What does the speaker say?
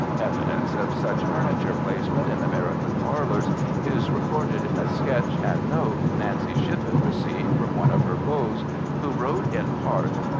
1). Evidence of such furniture placement in American parlors is recorded in a sketch and note Nancy Shippen received from one of her beaus, who wrote in part: